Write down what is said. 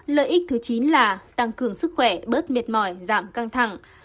lợi ích thứ chín là tăng cường sức khỏe bớt mệt mỏi giảm căng thẳng